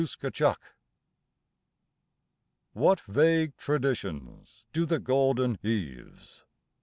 AFTERWORD. _What vague traditions do the golden eves.